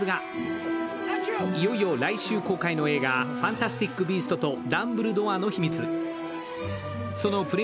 いよいよ来週公開の映画「ファンタスティック・ビーストとダンブルドアの秘密」